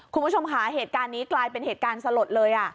คุณผู้ชมค่ะเหตุการณ์นี้กลายเป็นเหตุการณ์สลดเลย